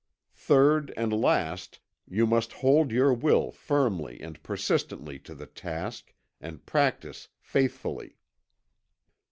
Third and last, you must hold your will firmly and persistently to the task, and practice faithfully.